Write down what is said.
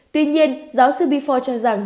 tuy nhiên giáo sư bifor cho rằng